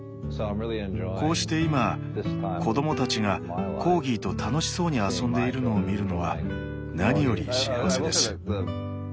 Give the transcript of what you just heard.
こうして今子供たちがコーギーと楽しそうに遊んでいるのを見るのは何より幸せです。